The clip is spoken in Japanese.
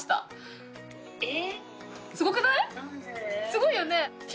すごいよね。